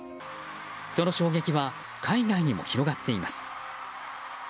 その衝撃は海外にも広がっています。